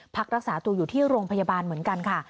พักรักษาตัวอยู่ที่โรงพยาบาลเหมือนกันค่ะ